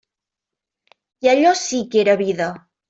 I allò sí que era vida.